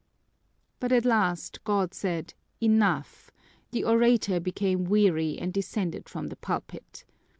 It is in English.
But at last God said "Enough"; the orator became weary and descended from the pulpit.